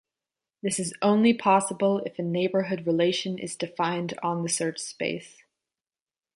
This is only possible if a neighborhood relation is defined on the search space.